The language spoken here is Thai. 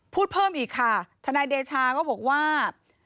เพิ่มอีกค่ะทนายเดชาก็บอกว่า